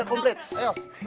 bapak webin yuk